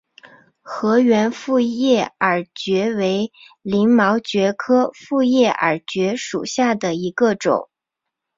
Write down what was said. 河源复叶耳蕨为鳞毛蕨科复叶耳蕨属下的一个种。